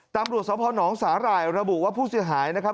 ตามบริวสภหนองสาหร่ายระบุว่าผู้เสียหายนะครับ